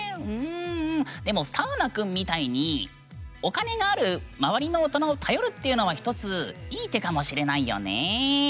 でも、サウナくんみたいにお金がある周りの大人を頼るのは１つ、いい手かもしれないよね。